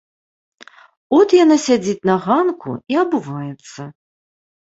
От яна сядзіць на ганку і абуваецца.